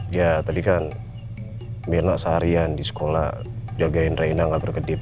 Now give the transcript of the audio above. ya tadi kan mir nak seharian di sekolah jagain reina gak berkedip